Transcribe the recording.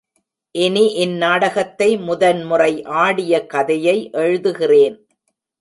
இனி இந் நாடகத்தை முதன் முறை ஆடிய கதையை எழுதுகிறேன்.